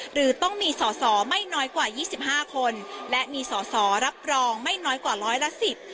หรือต้องมีสอสอไม่น้อยกว่ายี่สิบห้าคนและมีสอสอรับรองไม่น้อยกว่าร้อยละสิบ